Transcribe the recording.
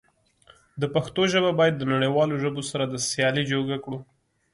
د پښتو ژبه بايد د نړيوالو ژبو سره د سيالی جوګه کړو.